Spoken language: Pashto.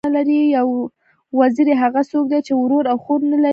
یو وزری، هغه څوک دئ، چي ورور او خور نه لري.